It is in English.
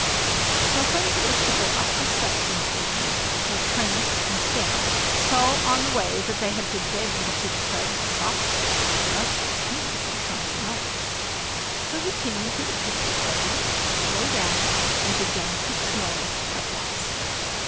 So, when he was to go up the steps in the evening, he tramped and stamped so on the way, that they had to beg him to tread softly lest the King should come to know it. So he came into the Princess' bedroom, lay down, and began to snore at once.